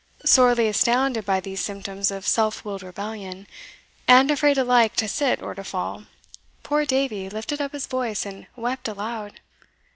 Sorely astounded by these symptoms of self willed rebellion, and afraid alike to sit or to fall, poor Davie lifted up his voice and wept aloud.